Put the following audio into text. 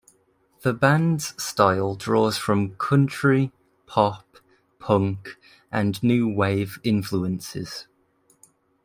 The band's style draws from country, pop, punk and new wave influences.